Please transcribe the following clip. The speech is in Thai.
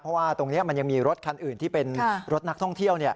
เพราะว่าตรงนี้มันยังมีรถคันอื่นที่เป็นรถนักท่องเที่ยว